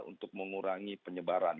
untuk mengurangi penyebaran